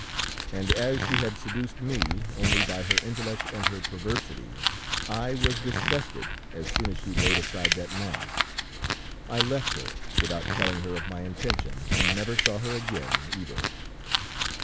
And as she had seduced me, only by her intellect and her perversity, I was disgusted as soon as she laid aside that mask. I left her without telling her of my intention, and never saw her again, either.